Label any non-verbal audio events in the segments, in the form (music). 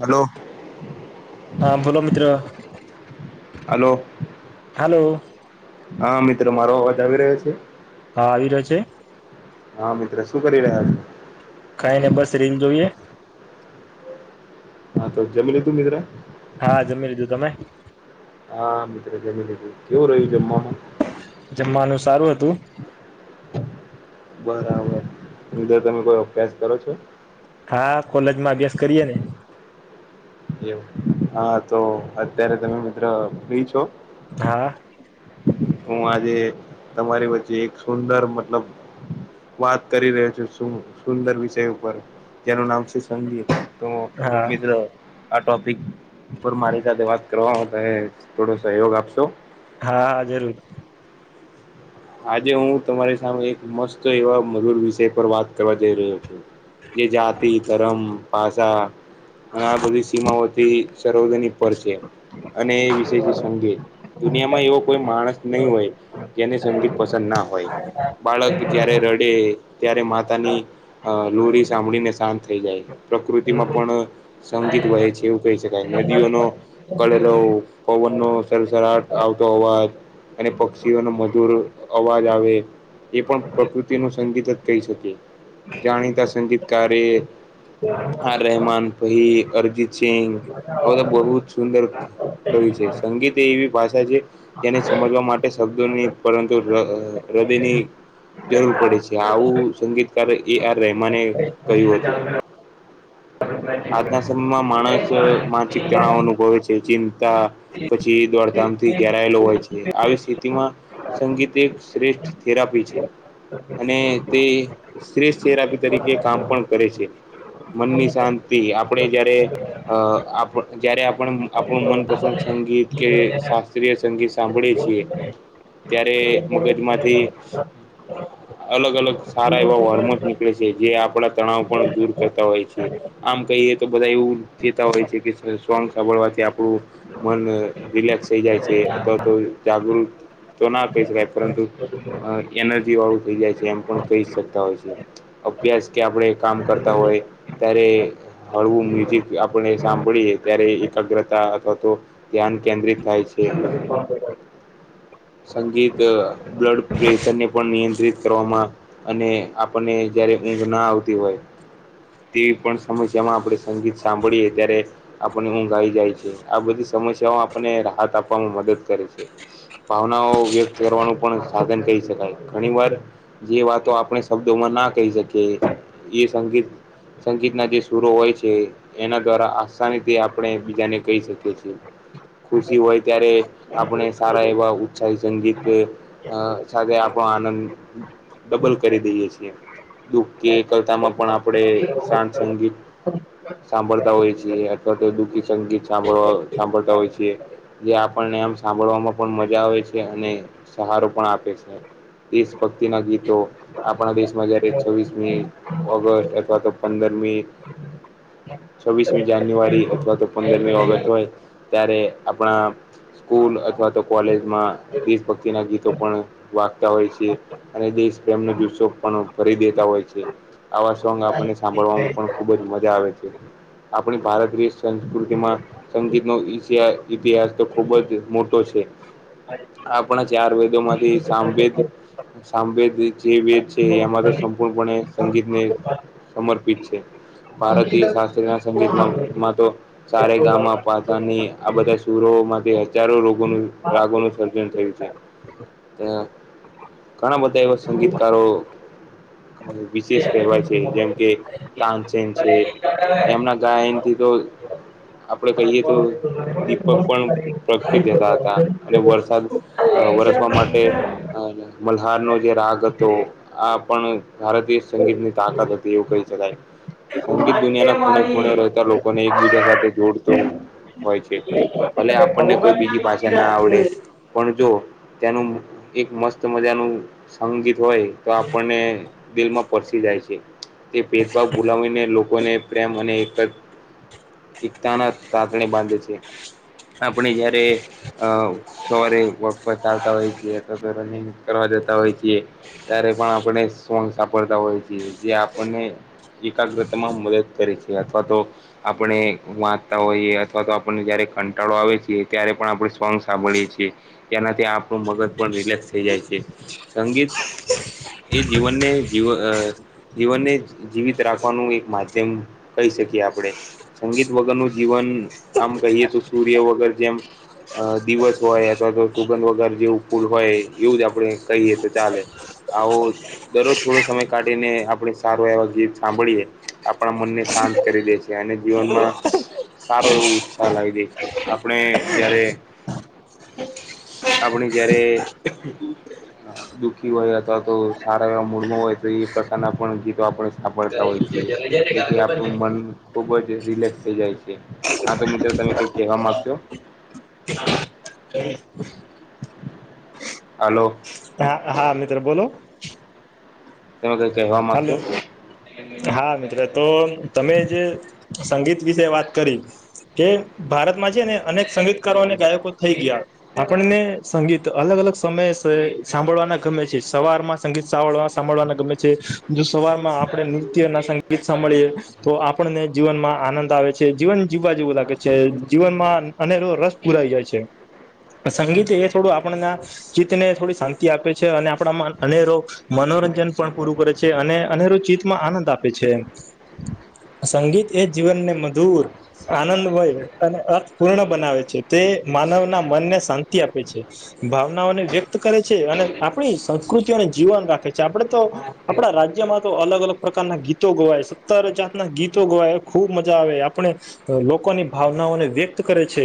હાલો. હા બોલો મીત્ર હાલો. હાલો. હા મિત્રો મારો અવાજ આવી રહ્યો છે? હા આવી રહ્યો છે. હા મિત્ર શું કરી રહ્યા છ? ખાઈ ને બસ રીલ જોઈએ. હા તો જમી લીધું (unintelligible) હા જમી લીધું તમે. હા કેવું રહ્યું જમવાનું. જમવાનું સારું હતું. બરાબર બીજો તમે કોઈ અભ્યાસ કરો છો. હા કોલેજ માં અભ્યાસ કરીએે ને. એવુ હા તો અત્યારે તમે મિત્ર ફ્રી છો. હા. હું આજે તમારી વચ્ચે એક સુંદર મતલબ. વાત કરી રહ્યો છું શુ સુંદર વિષય ઉપર જેનું નામ છે સંગીત. તો હા મિત્ર આ ટોપિક પર મારી સાથે વાત કરવા તમે થોડો સહયોગ આપશો. હા હા જરૂર. આજે હું તમારી સામે એક મસ્ત એવા મધુર વિષય પર વાત કરવાં જઈ રહ્યો છું. જે જાતિ ધરમ ભાષા અને આ બધી સીમાઓથી, સર્વજની પર છે અને એ વિષેઅ સંગીત દુનિયામાં એવો કોઈ માણસ નહીં હોય જેને સંગીત પસંદ ના હોય બાળક જય્યારે રડે ત્યારે માતાની અ લોરી સાંભળીને શાંત થઈ જાય પ્રકૃતિમાં પણ સંગીત વહે છેવુ કહી શકાય નદીઓનો કળલોવ પવનનો સરસરાટ આવતો અવાજ અને પક્ષીઓનો મધુર અવાજ આવે એ પણ પ્રકૃતિ ન સંગીત જ કહી શકીએ જાણીતા સંગીતકારે આ રહેમાન પહી અરિજીત સિંંગ આ બધાં બહુ સુંદર કવિ છે સંગીત એવીભાષા છે. તેને સમજવા માટે શબ્દો ની પરંતુ હૃદયની. જરૂર પડે છે. આવુ સંગીતકાર એ આર રહેમાને કહ્યું હતું. આજનાં સમયમાં માણસ માનસિક તણાવ અનુભવે છે. ચિંતા પછી દોડધામથી ઘેરાયેલો હોય છે. આવી સ્થિતિમાં સંગીત એક શ્રેષ્ઠ થેરાપી છે. અને તે શ્રેષ્ઠ થેરાપી તરીકે કામ પણ કરે છે. મનની શાંતિ આપણે જયારે અ આપણ જ્યારે આપણ આપણું મનપસંદ સંગીત કે શાસ્ત્રીય સંગીત સાંભળીએ છીએ. ત્યારે મગજમાંથી અલગ અલગ સારાં એવા હોર્મોન્સ નીકળે છે. જે આપડા તણાવ પણ દૂર કરતાં હોય છે. આમ કહીએ તો બધાં એવું કેતા હોય છે કે સોણ સાંભળવાથી આપડું. મન રીલેક્સ થઈ જાય છે. અથવા તો જાગૃત તો ના કહી શકાય પરંતુ એનર્જી વાળું થઈ જાય છે. એમ પણ કહી શકતા હોય છે. અભ્યાસ કે આપણે કામ કરતાં હોય ત્યારે હળવું મ્યુઝિક આપને સાંભળીએ ત્યારે એકાગ્રતા અથવા તો ધ્યાન કેન્દ્રિત થાય છે. સંગીત બ્લડ પ્રેશરને પણ નિયંત્રિત કરવામાં અને આપણને જયારે ઊંઘ ના આવતી હોય. તેવી પણ સમસ્યામાં આપણે સંગીત સાંભળીએ ત્યારે આપને ઊંઘ આવી જાય છે. આ બધી સમસ્યાઓ આપને રાહત આપવામાં મદદ કરે છે. ભાવનાઓ વ્યક્ત કરવાનું પણ સાધન કહી શકાય. ઘણી વાર જે વાતો આપણે શબ્દોમાં ના કહી શકીએ, એ સંગીત સંગીતના જે સુરો હોય છે એના દ્વારા આસાનીથી આપણે બીજાને કહી છીએ. ખુશી હોય ત્યારે આપણે સારા એવા ઉત્સાહી સંગીત સાથે આપણો આનંદ ડબલ કરી દઈએ છીએ. દુઃખ કે કરતામાં પણ આપણે શાંત સંગીત સાંભળતા હોય છીએ અથવા તો દુઃખી સંગીત સાંભળવા સાંભળતા હોય છીએ. જે આપણને આમ સાંભળવામાં પણ આવે છે અને સહારો પણ આપે છે. દેશ ભક્તિના ગીતો આપણા દેશમાં જયારે છવ્વીસમી ઓગસ્ટ અથવા તો પંદરમી (inaudible) છવ્વીસમી જાન્યુઆરી અથવા તો પંદરમી ઓગસ્ટ હોય ત્યારે આપણા સ્કૂલ અથવા તો કોલેજમાં દેશ ભક્તિ ના ગીતો પણ વાગતા હોય છે. અને દેશ પ્રેમ નો જુસ્સો પણ કરી દેતા હોય છે. આવા સોંગ આપણને સાંભળવામાં પણ ખુબ જ મજા આવે છે. આપણી ભારતીય સંસ્કૃતિ માં સંગીતનો ઈતિહાસ તો ખુબ મોટો છે. આપણા ચાર વેદો માંથી સામવેદ સામવેદ જે વેદ છે એમાં તો સંપૂર્ણપણે સંગીતને સમર્પિત છે. ભારતીય શાસ્ત્રી ના સંગીતમાં માં તો સા રે ગા મા પા ધા ની આ બધા સૂરો માંથી હજારો રાગોનું રાગોનું સર્જન થયું છે ત્યાં ઘણા બધા એવા સંગીતકારો વિશેષ કહેવાય છે, જેમ કે તાનસેન છે. એમના ગાયન થી તો આપણે કહીએ તો દીપક પણ પ્રગટી દેતા હતા અને વરસાદ અ વરસવા માટે મલ્હારનો જે રાગ હતો આ પણ ભારતીય સંગીતની તાકાત હતી એવું કહી શકાય. સંગીત દુનિયાના ખૂણે- ખૂણે રહેતા લોકોને એકબીજા સાથે જોડતું હોય છે. ભલે આપણને કોઈ બીજી ભાષા ના આવડે, પણ જો ત્યાનું એક મસ્ત મજાનું સંગીત હોય તો આપણને દિલમાં સ્પર્શી જાય છે. તે ભેદભાવ ભુલાવીને લોકોને પ્રેમ અને એક જ એકતાના તાતણે બાંધે છે આપણે જયારે અ સવારે વોક પર ચાલતા હોય છીએ અથવા તો રનિંગ કરવા જતા હોય છીએ. ત્યારે પણ આપણે સોંગ સાંભળતા હોય છે. જે આપણને એકાગ્રતામાં મદદ કરે છે અથવા તો આપણે વાંચતા હોઈએ અથવા તો આપણને જયારે કંટાળો આવે છે ત્યારે પણ આપણે સોન્ગસ સાંભળીએ છીએ તેનાથી આપણું મગજ પણ રિલેક્સ થઈ જાય છે. સંગીત એ જીવનને જીવ અ જીવનને જીવિત રાખવાનું એક માધ્યમ કહી શકીએ આપડે. સંગીત વગરનું જીવન આમ કહીએ તો સૂર્ય વગર જેમ અ દિવસ હોય અથવા તો સુગંધ વગર જેવુ ફુલ હોય એવું જ આપણે કહીએ તો ચાલે. આવો. દરરોજ થોડો સમય કાઢીને આપણે સારો એવા ગીત સાંભળીએ આપણા મનને શાંત, કરી દે અને જીવનમાં સારો એવો ઉત્સાહ લાવી દે છે. આપણે જયારે, આપણી જયારે, દુઃખી હોય અથવા તો સારા એવા મૂળમાં હોય તો એ પ્રકારનાં પણ ગીતો આપણે સાંભળતા હોય (inaudible) એથી આપણું મન, ખુબ જ રિલેક્સ થઇ જાય છે, હા તો મિત્ર તમે કઈક કહેવા માંગશો? હલો. હા હા મિત્ર બોલો. તમે કઈ કહેવા માંગશો હલો. હા, મિત્ર તો તમે જે સંગીત વિશે વાત કરી. કે, ભારતમાં છે ને અનેક સંગીતકારો અને ગાયકો થઈ ગયા. આપણને સંગીત અલગ અલગ સમય સાંભળવાના છે સવાર માં, સંગીત (unintelligible) સાંભળવા ગમે છે જો સવાર માં આપે નૃત્ય ના સં ગીત સાંભળીએ તો આપણને જીવનમાં આનંદ આવે છે, જીવન જીવવા જેવું લાગે છે જીવનમાં, અને એ રસ પુરાઈ જાય છે સંગીત છે એ થોડું આપણના, ચિત્તને થોડી શાંતિ આપે છે અને આપણામાં મનોરંજન પણ પૂરું કરે છે. છે, અને રોજચીતમાં આનંદ આપે છે. સંગીત એ જીવનને મધુર, આનંદ હોય અને અર્થ પૂર્ણ બનાવે છે, તે માનવના મનને શાંતિ આપે છે. ભાવનાઓને વ્યક્ત કરે છે, અને આપણી સંસ્કૃતિઓ અને જીવન રાખે છે, આપડે તો. આપણા રાજ્યમાં તો અલગ- અલગ પ્રકારના ગીતો ગવાય સત્તર જાતના ગીતો ગવાય ખૂબ મજા આવે આપણે, લોકોની ભાવનાઓને વ્યક્ત કરે છે,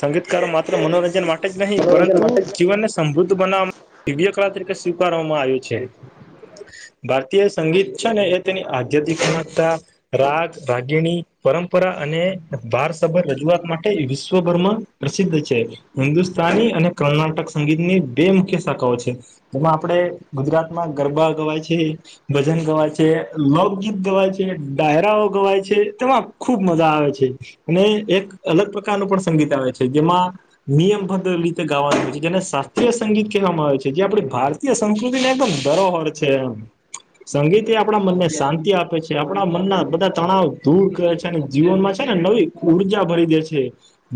સંગીતકારો માત્ર મનોરંજન મા નહીં પરંતુ જીવનને સમૃદ્ધ બનાવવામાં દિવ્યકાળ તરીકે સ્વીકારવામાં આવ્યું છે. ભારતીય સંગીત છે, નેએ તેની આધ્યાત્મિકતા, રાગ, રાગેણી, પરંપરા અને ભારસભર રજૂઆત માટે વિશ્વભરમાં. પ્રસિદ્ધ છે, હિન્દુસ્તાની અને કર્ણાટક સંગીતની બે મુખ્ય શાખાઓ છે. જેમાં આપડે ગુજરાતમાં ગરબા ગવાય છે. ભજન ગવાય છે, લોકગીત ગવાય છે, ડાયરા ઓ ગવાય છે તેમાં ખુબ મજા આવે છે. અને એક અલગ પ્રકારનું પણ સંગીત આવે છે, જેમાં નિયમબાદ રીતે ગાવાનું હોય છે, જેને શાસ્ત્રીય સંગીત કહેવામાં આવે છે, જે આપણી ભારતીય સંસ્કૃતિને એ પણ. (unintelligible) છે, એમ સંગીત આપણા મનને શાંતિ આપે છે, આપણા મનના બધા તણાવ દૂર કરે છે. જીવનમાં છે, ને નવી ઉર્જા ભરીદે છે.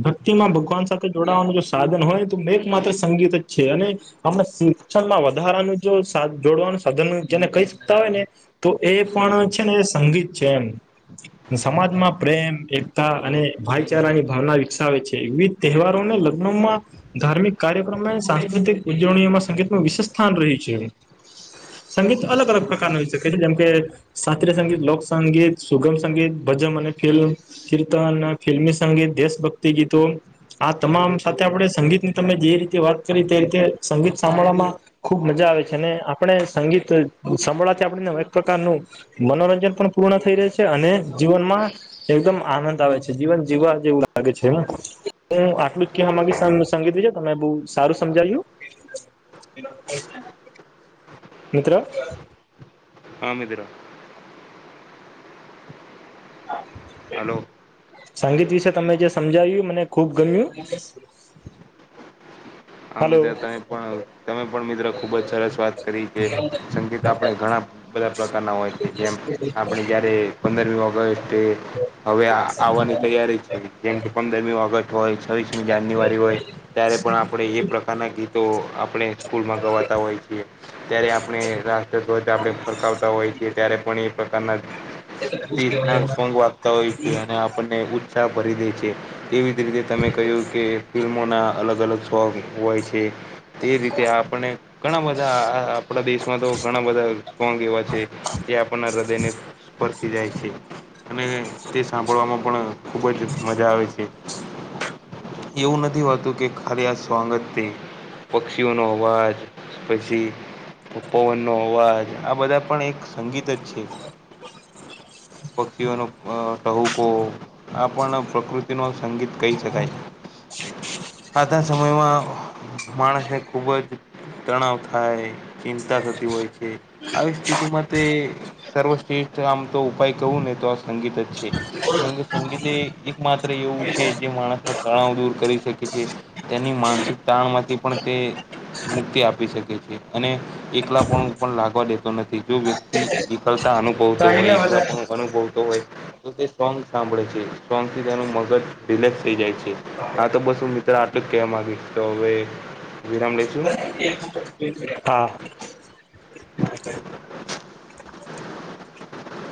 ભક્તિમાં ભગવાન સાથે જોડાવાનું જો સાધન હોય તો મેક માત્ર સંગીત જ છે, અને હમણાં શિક્ષણમાં વધારાનું જો, જોડવાનું સાધન જેને કહી શકતા હોય નેતો એ પણ છે, ને એ સંગીત છે, એમ. સમાજમાં પ્રેમ, એકતા અને ભાઈચારાની ભાવના વિકસાવે છે, વિવિધ તહેવારોને લગ્નમાં, ધાર્મિક કાર્યક્રમમાં સાંસ્કૃતિક ઉજવણીઓમાં સંગીતમાં વિશેષ સ્થાન રહી છે. સંગીત અલગ- અલગ પ્રકારના હોઈ શકે છે, જેમ કે, શાસ્ત્રીય સંગીત, લોકસંગીત, સુગમ સંગીત ભજમ અને ફિ (inaudible) કીર્તન, ફિલ્મીસંગીત, દેશભક્તિ ગીતો. આ તમામ સાથે આપણે સંગીતની તમે જે રીતે વાત કરી તે રીતે સંગીત સાંભળવામાં. ખુબ મજા આવે છે, અને આપણે એક પ્રકારનું સંગીત સાંભળતી આપ એક પ્રકારનું. મનોરંજન પણ પૂર્ણ થઈ રહે છે, અને જીવનમાં. એકદમ આનંદ આવે છે, જીવન- જીવવા જેવું લાગે છે. હું આટલું જ કેમા સંગીત છે, તમે બહુ સારું સમજાવ્યું. (unintelligible) (inaudible) મિત્ર હા મિત્ર હા હાલો સંગીત વિશે તમે જે સમજાવ્યું મને ખુબ ગમ્યું આ હલો મિત્ર તમે પણ તમે પણ મિત્રો ખુબ જ સરસ વાત કરી કે સંગીત આપણે ઘણા બધા પ્રકારના હોય છે, જેમ આપણે જયારે પંદરમી ઓગસ્ટ હવે આવવાની તૈયારી છે, જેમ કે પંદરમી ઓગસ્ટ હોય, છવ્વીસમી જાન્યુઆરી હોય ત્યારે પણ આપણેે એ પ્રકારના ગીતો આપણે સ્કૂલમાં ગવાતા હોય છીએ ત્યારે આપણે રાષ્ટ્રધ્વજ આપણે ફરકાવતા હોય છીએ ત્યારે પણ એ પ્રકારના તેજના વાગતા હોય છે, અને આપણને ઉત્સાહ ભરીદે છે. એવી જ રીતે તમે કે ફિલ્મોના અલગ- અલગ હોય છે. તે રીતે આપને ઘણા બધા આપણા દેશમાં તો બધા સોંગ એવા છે. તે આપણના હૃદયને સ્પર્શી જાય છે. અને તે સાંભળવામાં પણ ખૂબ જ મજા આવે છે. એવું નથી હોતું કે ખલી આ સોગજ પક્ષીઓનો અવાજ પછી પપોવન નો અવાજ બધા પણ એક જ છે. પક્ષીઓનો ટહુકો આ પણ પ્રકૃતિનો સંગીત કહી શકાય છે આજના સમયમાં માણસને ખુબ જ તણાવ થાય ચિંતા થતી હોય છે, આવી સ્થિતિમાં તે સર્વશ્રેષ્ઠ આમ તો ઉપાય કહું ને તો આ સંગીત જ છે. કેમકે સંગીત એ એક માત્ર એવું છે, જે માણસના તણાવ દૂર કરી શકે છે. તેની માનસિક તાણ માંથી પણ તે મુક્તિ આપી શકે છે, અને એકલા પણ પણ લાગવા દેતો નથી જો વ્યક્તિ એકળતા અનુ તો હોયક પણું અનુભવતો હોય તો તે સોંગ સાંભળે છે, સોંગથી તેનું મગજ રિલેક્સ થઈ જાય છે. હા તો બસ હું મિત્ર આટલું કે માગીશ તો હવે વિરામ લઈશું (unintelligible)